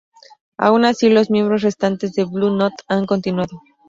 Aun así, los miembros restantes de Blue Note han continuado.